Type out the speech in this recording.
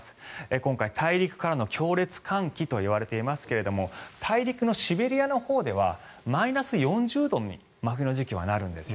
今回、大陸からの強烈寒気といわれていますが大陸のシベリアのほうではマイナス４０度に真冬の時期はなるんです。